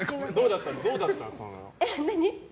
どうだったの？